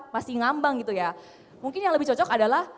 masih ngambang gitu ya mungkin yang lebih cocok adalah